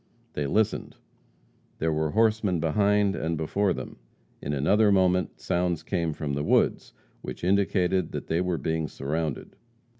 They listened. There were horsemen behind and before them. In another moment, sounds came from the woods, which indicated that they were being surrounded.